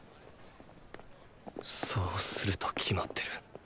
そうすると決まってる。